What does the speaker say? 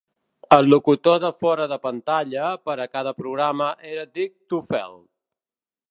El locutor de fora de pantalla per a cada programa era Dick Tufeld.